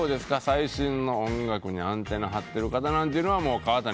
最新の音楽にアンテナ張ってる方なんて川谷Ｐ。